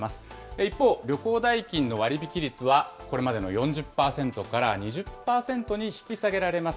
一方、旅行代金の割引率はこれまでの４０％から２０％に引き下げられます。